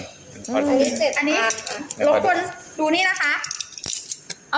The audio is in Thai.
อันนี้ลองคุณดูนี่นะคะ